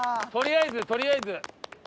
とりあえずとりあえず。